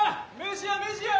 飯や飯や！